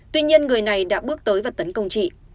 tuy nhiên người này đã bước tới và tấn công chị